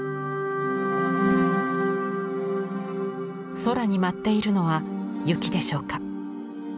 空に舞っているのは雪でしょうか？